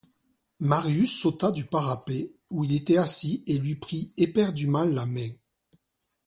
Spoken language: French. Marius sauta du parapet où il était assis et lui prit éperdument la main.